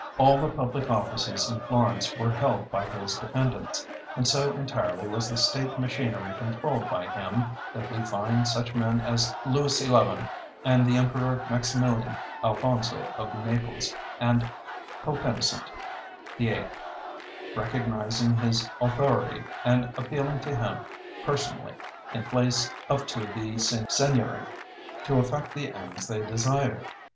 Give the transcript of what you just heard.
All the public offices in Florence were held by his dependents, and so entirely was the state machinery controlled by him that we find such men as Louis XI and the emperor Maximilian, Alfonso of Naples, and Pope Innocent VIII recognizing his authority and appealing to him personally, in place of to the seigniory, to effect the ends they desired.